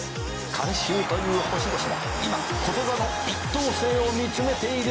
「観衆という星々が今琴座の１等星を見つめているのか」